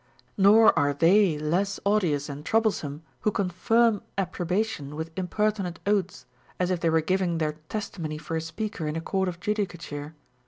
Nor are they less odious and troublesome who confirm approbation with impertinent oaths, as if they were giving their testimony for a speaker in a court of judica ture.